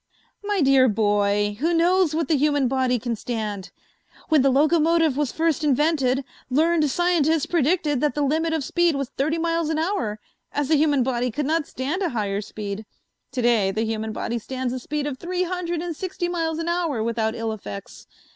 "My dear boy, who knows what the human body can stand? When the locomotive was first invented learned scientists predicted that the limit of speed was thirty miles an hour, as the human body could not stand a higher speed. To day the human body stands a speed of three hundred and sixty miles an hour without ill effects.